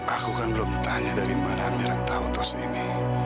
aku kan belum tanya dari mana merek tahu tos ini